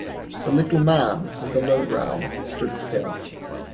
The little man, with a low growl, stood still.